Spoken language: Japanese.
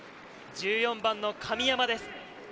１４番の神山です。